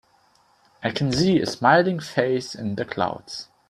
I can see a smiling face in the clouds.